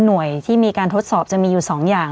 หน่วยที่มีการทดสอบจะมีอยู่๒อย่าง